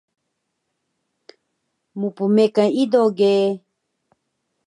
Mpmekan ido ge